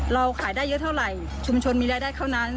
เราขายได้เยอะเท่าไหร่ชุมชนมีรายได้เท่านั้น